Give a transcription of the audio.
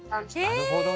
なるほどね。